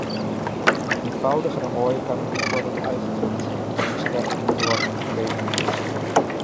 Eenvoudiger en mooier kan niet worden uitgedrukt hoe mensenrechten moeten worden gedefinieerd.